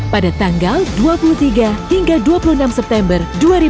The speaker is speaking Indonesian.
pada tanggal dua puluh tiga hingga dua puluh enam september dua ribu dua puluh